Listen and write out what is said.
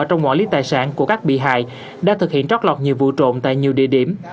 trong ngõ lý tài sản của các bị hại đã thực hiện trót lọt nhiều vụ trộm tại nhiều địa điểm